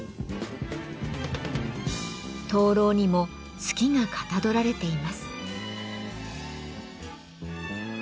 灯籠にも月がかたどられています。